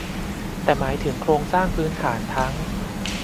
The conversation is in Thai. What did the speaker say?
แต่หมายถึงโครงสร้างพื้นฐานทั้ง